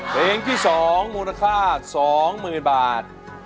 เพลงที่สองมูลค่าสองหมื่นบาท